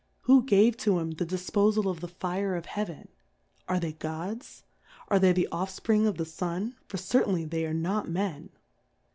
Who gave to 'em the Difpofal of the Fire of Heaven ? Are t!)ey Gods ? Are they the Offspring of the Sun, for certainly they are not Men.